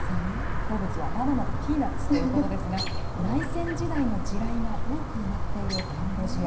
好物はバナナとピーナッツということですが、内戦時代の地雷が多く埋まっているカンボジア。